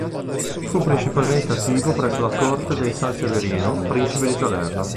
Fu principalmente attivo presso la corte dei Sanseverino, principi di Salerno.